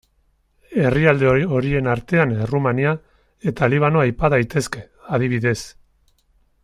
Herrialde horien artean Errumania eta Libano aipa daitezke, adibidez.